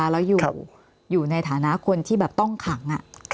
แล้วอยู่ในฐานะคนที่แบบต้องขัง